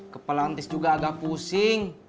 kepala tis juga agak pusing